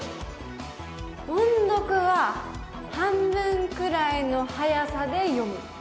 「音読は半分くらいのはやさで読む」。